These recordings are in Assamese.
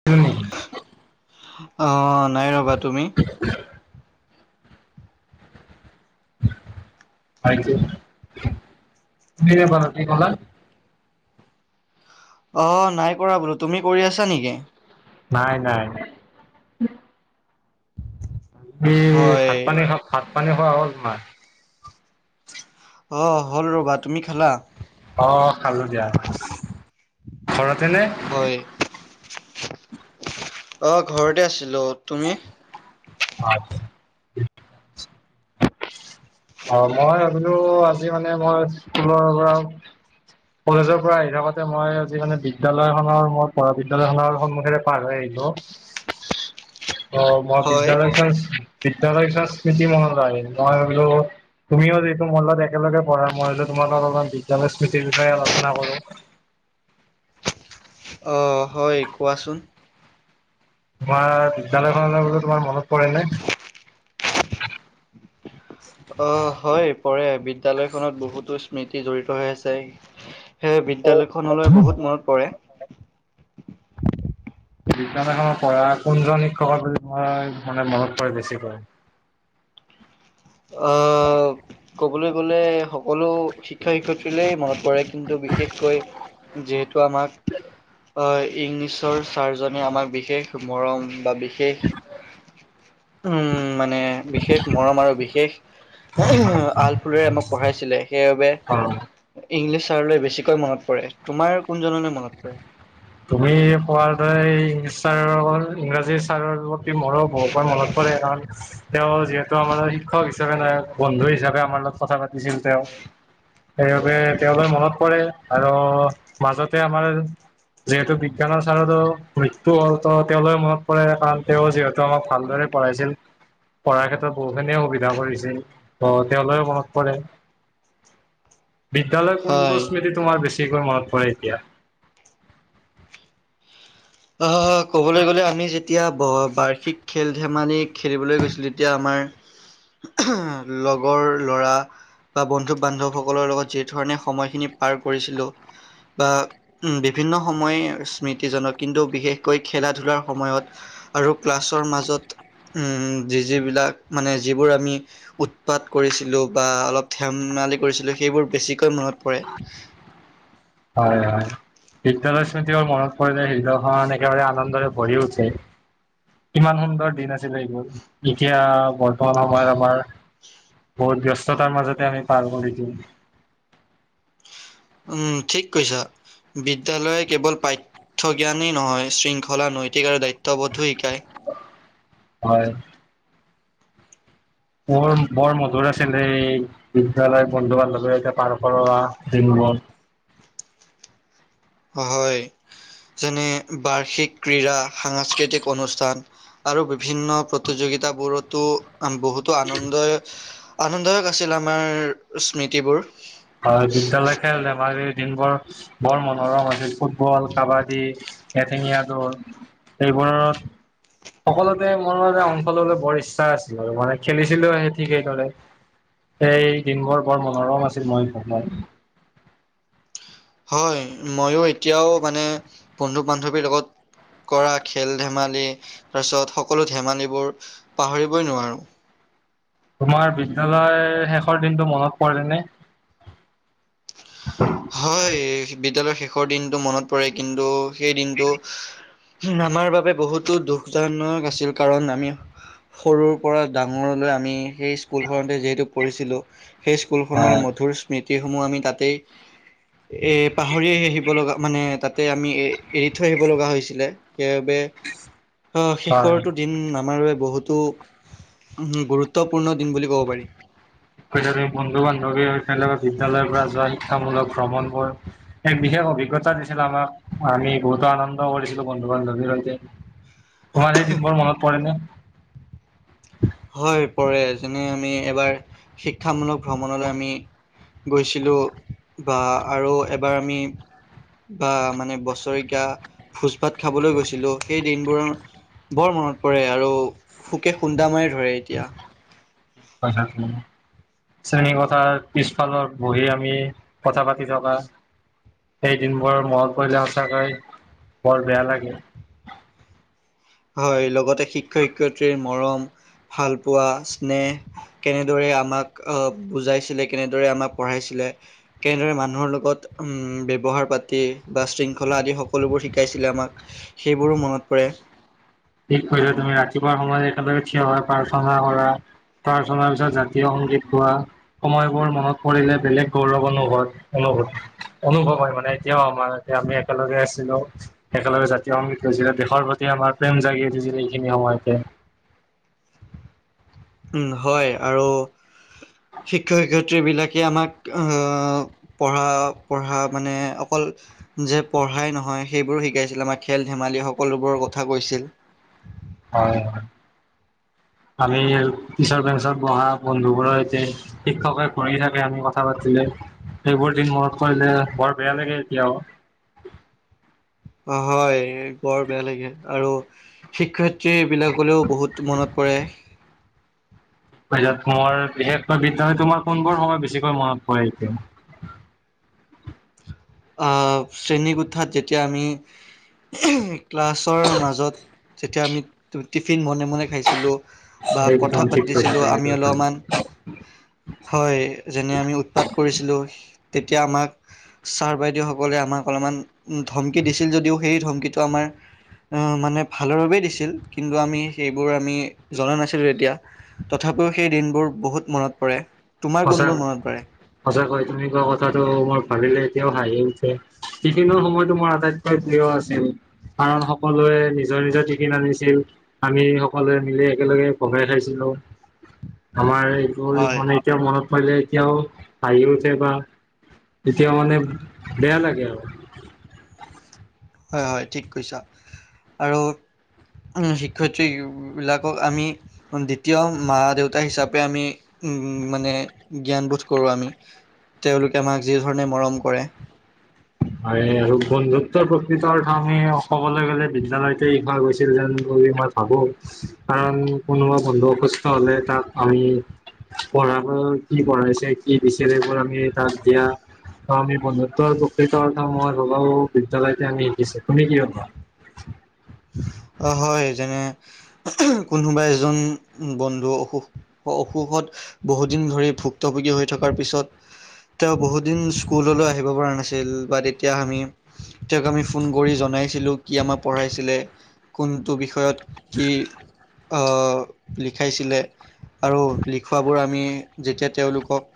[unintelligible] অ, নাই ৰবা তুমি? [unintelligible] [unintelligible] কি ক'লা? অ, নাই কৰা বোলোঁ। তুমি কৰি আছা নেকি? নাই নাই। এ হয় ভাত পানী খা, ভাত পানী খোৱা হ'ল তোমাৰ? অ, হ'ল ৰবা। তুমি খালা? অ, খালো দিয়া। ঘৰতে নে? হয়। অঁ, ঘৰতে আছিলো। তুমি? অ, আ অ, মই বোলো আজি মানে মই স্কুলৰ পৰা কলেজৰ পৰা আহি থাকোতে মই আজি মানে বিদ্যালয়খনৰ মই পঢ়া বিদ্যালয়খনৰ সন্মুখেৰে পাৰ হৈ আহিলো। অ, মই হয় বিদ্যালয় বিদ্যালয় স্মৃতি মহলায়। মই ভাবিলো তুমিও যিহেটো মোৰ লগত একেলগে পঢ়া মই হলে তোমালোক অলপমান বিদ্যালয় স্মৃতিৰ বিষয়ে আলোচনা কৰো। অ, হয়। কোৱাচোন? তোমাৰ বিদ্যালয়খনলৈ বোলো তোমাৰ মনত পৰে নে? অ হয়, পৰে। বিদ্যালয়খনত বহুতো স্মৃতি জড়িত হৈ আছে। সেয়েহে, বিদ্যালয়খনলৈ বহুত মনত পৰে। [inaudible] বিদ্যালয়খনত পঢ়া কোনজনী শিক্ষকৰ [unintelligible] তোমাৰ মানে মনত পৰে বেছিকৈ? অ। কবলৈ গলে সকলো শিক্ষ শিক্ষয়িত্ৰীলে মনত পৰে। কিন্তু বিশেষকৈ, যিহেতু আমাক। অ, ইংলিছৰ ছাৰজনে আমাক বিশেষ মৰম বা বি বিষেশ উম মানে বিশেষ মৰম আৰু বি বিশেষ আলফুলৰে আমাক পঢ়াইছিলে। সেইবাবে অ', ইংলিছ ছাৰলৈ বেছিকৈ মনত পৰে। তোমাৰ কোনজনলৈ মনত পৰে? তুমি পোৱাৰ দৰে ইংলিছ ছাৰৰ লগৰ ইংৰাজী ছাৰৰ ল--ত কি মোৰো বহু পৰা মনত পৰে [unintelligible] তেওঁ যিহেতু আমাৰ শিক্ষক হিচাপে নহয়। বন্ধু হিচাপে আমাৰ লগত কথা পাতিছিল তেওঁ। সেইবাবে তেওঁলে মনত পৰে আৰু মাজতে আমাৰ যিহেতু বিজ্ঞানৰ ছাৰৰো মৃত্যু হ'ল ত' তেওঁলৈ মনত পৰে কাৰণ তেওঁ যিহেতু আমাক ভালদৰে পঢ়াইছিল। পঢ়াৰ ক্ষেত্ৰত বহু খিনিয়ে সুবিধা কৰিছিল। ত' তেওঁ লৈ মনত পৰে। বিদ্যালয়ৰ হয় কোনটো স্মৃতি তোমাৰ বেছিকৈ মনত পৰে এতিয়া? অ, ক'বলৈ গ'লে আমি যেত তিয়া ব বাৰ্ষিক খেল ধেমালি খেলিবলৈ গৈছিলো। তেতিয়া আমাৰ লগৰ ল'ৰা। বা বন্ধু বান্ধৱসকলৰ লগত যি ধৰণে সময়খিনি পাৰ কৰিছিলোঁ। বা উম বিভিন্ন সময় স্মৃতিজনক। কিন্তু বিশেষকৈ খেলা ধূলাৰ সময়ত আৰু ক্লাছৰ মাজত। উম উম যি যিবিলাক মানে যিবোৰ আমি। উৎপাত কৰিছিলোঁ বা অলপ ধেম ধেমালি কৰিছিলোঁ সেইবোৰ বেছিকৈ মনত পৰে। হয় হয়। বিদ্যালয় স্মৃতিবোৰ মনত পৰিলে হৃদয়খন একেবাৰে আনন্দৰে ভৰি উঠে। কিমান সুন্দৰ দিন আছিলে এইবোৰ এতিয়া বৰ্তমান সময়ত আমাৰ। বহুত ব্যস্ততাৰ মাজতে আমি পাৰ দিওঁ। উম ঠিক কৈছ বিদ্যালয় কেৱল পাঠ। ঠ্য জ্ঞানেই নহয় শৃংখলা নৈতিক আৰু দায়িত্ববোধো শিকায়। হয়। বৰ বৰ মধুৰ আছিলে এই। বিদ্যালয় বন্ধু বান্ধৱী সৈতে পাৰ কৰোৱা দিনবোৰ। অ হয় যেনে বাৰ্ষিক ক্ৰীড়া সাংস্কৃতিক অনুষ্ঠান। আৰু বিভিন্ন প্ৰতিযোগিতা বোৰটো। আম বহুতো আনন্দয় আনন্দয় গৈছিল আমাৰ স্মৃতিবোৰ। হয় বিদ্যালয় খেল ধেমালিৰ দিনবোৰ। বৰ মনোৰম আছিল ফুটবল, কাবাডী, এঠেঙীয়া, দৌৰ। এইবোৰৰ। সকলোতে মোৰ অংশ লবলৈ বৰ ইচ্ছা আছিল আৰু মানে খেলিছিলোঁ সেই ঠিক সেইদৰে। সেই দিনবোৰ বৰ মনোৰম আছিল মই জনাত। হয় ময়ো এতিয়াও মানে বন্ধু বান্ধৱীৰ লগত। কৰা খেল ধেমালি তাৰপিছত সকলো ধেমালিবোৰ পাহৰিবই নোৱাৰোঁ। তোমাৰ বিদ্যালয়ৰ শেষৰ দিনটো মনত পৰে নে। হয় বিদ্যালয়ৰ শেষৰ দিনটো মনত পৰে কিন্তু সেই দিনটো। উহ আমাৰ বাবে বহুতো দুখজনক আছিল কাৰণ আমি। সৰুৰ পৰা ডাঙৰলৈ আমি সেই স্কুলখনতে যিহেতু পঢ়িছিলোঁ। সেই স্কুলখনৰ হয় মধুৰ স্মৃতিসমূহ আমি তাতেই। এ পাহৰি আহিব লগা মানে তাতে আমি এ এৰি থৈ আহিব লগা হৈছিলে সেইবাবে। অ হয় শেষৰটো দিন আমাৰ বহুত। তো গুৰুত্বপূৰ্ণ দিন বুলি ক'ব পাৰি। হয় তাতে বন্ধু বান্ধৱী সৈতে লগত বিদ্যালয়ৰ পৰা যোৱা শিক্ষামূলক ভ্ৰমণবোৰ। এক বিশেষ অভিজ্ঞতা দিছিল আমাক আমি বহুতো আনন্দ কৰিছিলোঁ বন্ধু বান্ধৱীৰ সৈতে। তোমাৰ সেই দিনবোৰ মনত পৰে নে। হয় পৰে যেনে আমি এবাৰ শিক্ষামূলক ভ্ৰমণলৈ আমি। গৈছিলোঁ বা আৰু এবাৰ আমি। বা মানে বছৰেকীয়া ভোজ ভাত খাবলৈ গৈছিলোঁ সেই দিনবোৰ। বৰ মনত পৰে আৰু সুকে খুন্দা মাৰি ধৰে এতিয়া। হয় তাত মোৰ। শ্ৰেণী কোঠাত পিছফালত বহি আমি কথা পাতি থকা। সেই দিনবোৰ মনত পৰিলে সঁচাকৈ বৰ বেয়া লাগে। হয় লগতে শিক্ষক শিক্ষয়িত্ৰীৰ মৰম ভাল পোৱা স্নেহ। কেনেদৰে আমাক আহ বুজাইছিলে কেনেদৰে আমাক পঢ়াইছিলে। কেনেদৰে মানুহৰ লগত উম ব্যৱহাৰ পাতি বা শৃংখলা আদি সকলোবোৰ শিকাইছিল আমাক। সেইবোৰো মনত পৰে। ঠিক কৈছা তুমি ৰাতিপুৱা সময়ত সদায় খিয় হৈ প্ৰাৰ্থনা কৰা। প্ৰাথনা পিছত জাতীয় সংগীত গোৱা সময়বোৰ মনত পৰিলে বেলেগ গৌৰৱ অনুভৱ- অনুভৱ অনুভৱ হয় মানে এতিয়াও আমাৰ এতিয়া আমি একেলগে আছিলো। একেলগে জাতীয় সংগীত গাইছিলে, দেশৰ প্ৰতি আমাৰ প্ৰেম জাগি উঠিছিলে এইখিনি সময়তে। উম' হয় আৰু শিক্ষক শিক্ষয়িত্ৰী বিলাকে আমাক আহ- পঢ়া পঢ়া মানে অকল- যে পঢ়াই নহয় সেইবোৰো শিকাইছিল আমাৰ খেল ধেমালি সকলোবোৰৰ কথা কৈছিল। হয় হয়, আমি পিছৰ বেঞ্চত বহা বন্ধু বোৰৰ সৈতে- শিক্ষকে ঘূৰি থাকে আমি কথা পাতিলে। সেইবোৰ দিন মনত কৰিলে বৰ বেয়া লাগে এতিয়াও। হয়, বৰ বেয়া লাগে আৰু শিক্ষয়িত্ৰী বিলাকলেও বহুত মনত- পৰে। তোৰ বিশেষকৈ বিদ্যালয় তোমাৰ কোনবোৰ সময় বেছিকৈ মনত পৰে এতিয়া? অঁ' শ্ৰেণীকোঠাত যেতিয়া আমি- ক্লাছৰ মাজত যেতিয়া আমি টিফিন মনে মনে খাইছিলোঁ- বা একদম কথা ঠিক কৈছা পাতিছিলোঁ তুমি আমি এইটো কথা অলমান- হয়, যেনে আমি উৎপাত কৰিছিলোঁ তেতিয়া আমাক- ছাৰ বাইদেউসকলে আমাক অলমান ধমকি দিছিল যদিও সেই ধমকিটো আমাৰ- অঁ' মানে ভালৰ বাবেই দিছিল, কিন্তু আমি সেইবোৰ আমি জনা নাছিলোঁ তেতিয়া। তথাপিও সেই দিনবোৰ বহুত মনত পৰে, তোমাৰ সঁচা কোনবোৰ মনত পৰে? সঁচাকৈ তুমি কোৱা কথাটো মই ভাবিলে এতিয়াও হাঁহি উঠে। টিফিনৰ সময়টো মোৰ আটাইতকৈ প্ৰিয় আছিল। কাৰণ, সকলোৱে নিজৰ নিজৰ টিফিন আনিছিল। আমি সকলোৱে মিলি একেলগে ভগাই খাইছিলো, আমাৰ এইটো হয় মানে- এতিয়াও মনত পৰিলে এতিয়াও ভাঁহি উঠে বা- এতিয়াও মানে বেয়া লাগে আও। হয় হয়, ঠিক কৈছা। আৰু- উম' শিক্ষয়িত্ৰী বিলাকক আমি- দ্বিতীয় মা দেউতা হিচাপে আমি উম মানে জ্ঞানবোধ কৰো আমি। তেওঁলোকে আমাক যি ধৰণে মৰম কৰে। হয়, আৰু বন্ধুত্বৰ প্ৰকৃত অৰ্থ আমি কবলে গলে বিদ্যালয়তে শিকোৱা গৈছি- ছিলে বুলি মই ভাবো, কাৰণ কোনোবা বন্ধু অসুস্থ হলে তাক আমি- পঢ়াবোৰ কি পঢ়াইছে কি দিছিল সেইবোৰ আমি তাত দিয়া- অঁ' আমি বন্ধুত্ব আৰু প্ৰকৃতৰ অৰ্থ মই ভাবো বিদ্যালয়তে আমি শিকিছো তুমি কি ভাবা? অ' হয় যেনে- কোনোবা এজন বন্ধু অসুখ অসুখত- বহুদিন ধৰি ভুক্তভোগী হৈ থকাৰ পিছত- তেওঁ বহুদিন স্কুললৈ আহিব পৰা নাছিল বা তেতিয়া আমি- তেওঁক আমি ফোন কৰি জনাইছিলোঁ কি আমাক পঢ়াইছিলে। কোনটো বিষয়ত কি আহ লিখাইছিলে। আৰু লিখোৱাবোৰ আমি যেতিয়া তেওঁলোকক-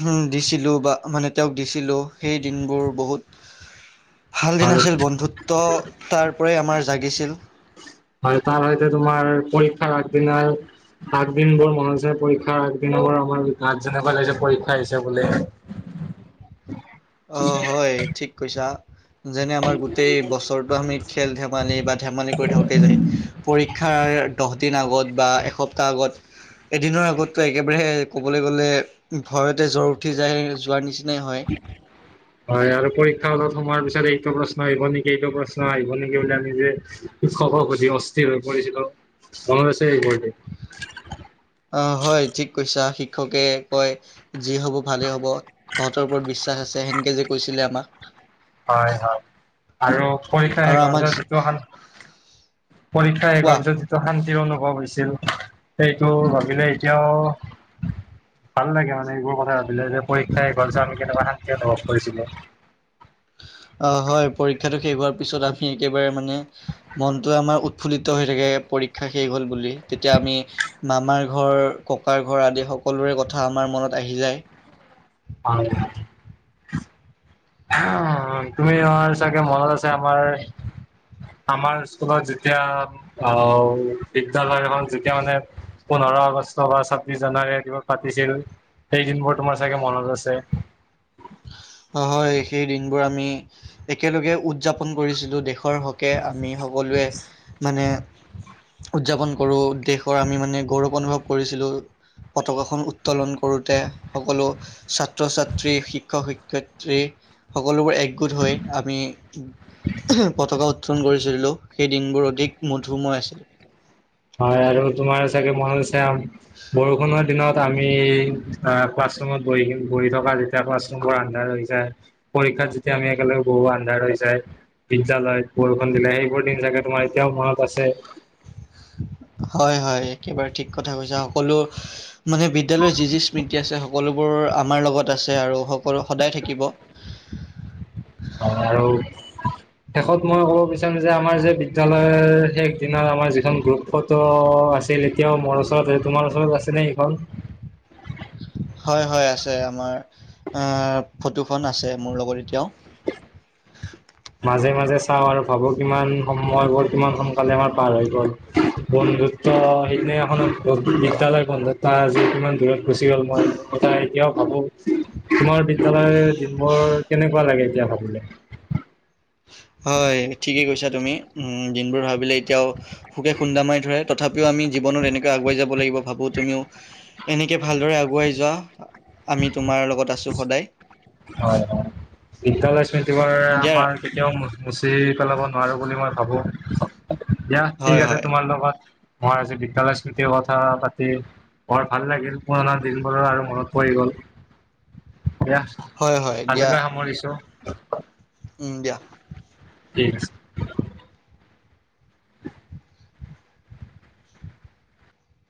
উম' দিছিলো বা মানে তেওঁক দিছিলো, সেই দিনবোৰ বহুত- [inaudible] ভাল দিন হয় আছিল, বন্ধুত্ব তাৰ পৰাই আমাৰ জাগিছিল। হয় তাৰ হয়তো তোমাৰ পৰীক্ষাৰ আগদিনাই আগদিনবোৰ মনত আছে পৰীক্ষাৰ আগদিনাবোৰ আমাৰ আঠ যেনেকুৱা লাগিছে পৰীক্ষা আহিছে বোলে অ হয় ঠিক কৈছা যেনে আমাৰ গোটেই বছৰটো আমি খেল - ধেমালি বা ধেমালি কৰি থাকোঁতেই যায় পৰীক্ষাৰ দহ দিন আগত বা এসপ্তাহ আগত এদিনৰ আগততো একেবাৰেহ ক'বলৈ গ'লে ভয়তে জ্বৰ উঠি যায়, যোৱাৰ নিচিনাই হয়। হয় আৰু পৰীক্ষা হলত সোমোৱাৰ পিছত এইটো প্ৰশ্ন আহিব নেকি, এইটো প্ৰশ্ন আহিব নেকি বুলি আমি যে শিক্ষকক অধি অস্থিৰ হৈ পৰিছিলো, মনত আছে এইবোৰতে? অ হয় ঠিক কৈছা, শিক্ষকে কয় যি হব ভালেই হব, তহঁতৰ ওপৰত বিশ্বাস আছে সেনেকে যে কৈছিলে আমাক। হয় হয় আৰু পৰীক্ষা আৰু শেষ আমাক হোৱাৰ যিটো শান পৰীক্ষা শেষ হোৱাৰ কোৱা পিছত টো শান্তিৰ অনুভৱ হৈছিল সেইটো ভাবিলে এতিয়াও ভাল লাগে মানে এইবোৰ কথা ভাবিলে যে পৰীক্ষাই [unintelligible] আমি কেতিয়াবা শান্তি অনুভৱ কৰিছিলো। অ হয় পৰীক্ষাটো শেষ হোৱাৰ পিছত আমি একেবাৰে মানে মনটো আমাৰ উৎফুল্লিত হৈ থাকে পৰীক্ষা শেষ হ'ল বুলি। তেতিয়া আমি মামাৰ ঘৰ, ককাৰ ঘৰ আদি সকলোৰে কথা আমাৰ মনত আহি যায়। [unintelligible] আহ তুমি আৰ চাগে মনত আছে আমাৰ আমাৰ স্কুলত যেতিয়া আ আহ বিদ্যালয়খন যেতিয়া মানে পোন্ধৰ আগষ্ট বা ছাব্বিশ জানুৱাৰী দিৱস পাতিছিল সেই দিনবোৰ তোমাৰ চাগে মনত আছে? অ হয় সেই দিনবোৰ আমি একেলগে উদযাপন কৰিছিলো দেশৰ হকে আমি সকলোৱে মানে উদযাপন কৰোঁ, দেশৰ আমি মানে গৌৰৱ অনুভৱ কৰিছিলোঁ। পতাকাখন উত্তোলন কৰোতে, সকলো ছাত্ৰ - ছাত্ৰী, শিক্ষক - শিক ক্ষত্ৰী, সকলোবোৰ একগোট হৈ আমি উ উহু পতকা থুন কৰিছিলোঁ সেই দিনবোৰ অধিক মধুময় আছিলোঁ। হয় আৰু তোমাৰ চাগে মনত আছে আ বৰষুণত দিনত আমি আ ক্লাছ ৰুমত বহি - বহি থকা যেতিয়া ক্লাছৰুমবোৰ আন্ধাৰ হৈ যায় পৰীক্ষাত যেতিয়া আমি একেলগে বহু আন্ধাৰ হৈ যায়। বিদ্যালয়ত বৰষুণ দিলে সেইবোৰ দিন চাগে তোমাৰ এতিয়াও মনত আছে? হয় হয় একেবাৰে ঠিক কথা কৈছা, সকলো মানে বিদ্যালয়ৰ যি যি স্মৃতি আছে সকলোবোৰ আমাৰ লগত আছে আৰু সকলো সদায় থাকিব। [inaudible] অ আৰু শেষত মই ক'ব বিচাৰিম যে আমাৰ যে বিদ্যালয়ৰ শেষ দিনা আমাৰ যিখন গ্ৰুপত ত আছিল এতিয়াও মোৰ ওচৰত সেই তোমাৰ ওচৰত আছে নে সেইখন? হয় হয় আছে আমাৰ আ‌ ফটোখন আছে মোৰ লগত এতিয়াও। মাজে - মাজে চাওঁ আৰু ভাবো কিমান সময়বোৰ কিমান সোনকালে আমাৰ পাৰ হৈ গ'ল। বন্ধুত্ব সেইদিনাখন অ বিদ্যালয় বন্ধুত্ব আজি কিমান দূৰত গুচি গ'ল মই কথা এতিয়াও ভাবো, তোমাৰ বিদ্যালয়ৰ দিনবোৰ কেনেকুৱা লাগে এতিয়া ভাবিলে? হয় ঠিকেই কৈছা তুমি উম দিনবোৰ ভাবিলে এতিয়াও সুকে খুন্দা মাৰি ধৰে। তথাপিও আমি জীৱনত এনেকে আগুৱাই যাব লাগিব ভাবো তুমিও এনেকে ভালদৰে আগুৱাই যোৱা। আমি তোমাৰ লগত আছোঁ সদায়। হয় হয়। বিদ্যালক্ষ্মী তোমাৰ দিয়া আমাৰ। কেতিয়াও মুচি পেলাব নোৱাৰো বুলি মই ভাবো। দিয়া ঠিক হয় আছে। হয় তোমাৰ লগত মই আজি বিদ্যালয় চুতিৰ কথা পাতি বৰ ভাল লাগিল। পুৰণা দিনবোৰৰ আৰু মনত পৰি গ'ল। দিয়া হয় হয় দিয়া আজিলে সামৰিছো। উম, দিয়া। ঠিক আছে।